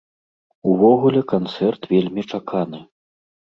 Увогуле канцэрт вельмі чаканы.